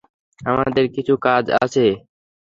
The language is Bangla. আমাদের কিছু কাজ আছে।